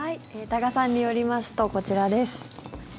多賀さんによりますとこちらです。